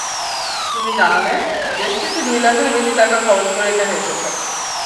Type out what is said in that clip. তিনি জানালেন, দেশ থেকে দুই লাখের বেশি টাকা খরচ করে এখানে এসেছেন।